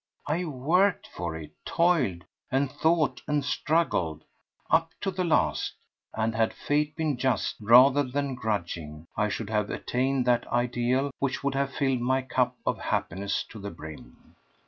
I worked for it, toiled and thought and struggled, up to the last; and had Fate been just, rather than grudging, I should have attained that ideal which would have filled my cup of happiness to the brim.